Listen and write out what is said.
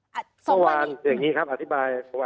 เมื่อวานอย่างนี้ครับอธิบาย